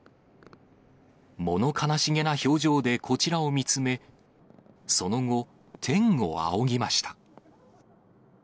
もの悲しげな表情でこちらを見つめ、その後、天を仰ぎました。